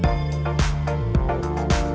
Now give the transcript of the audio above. ini ada di indonesia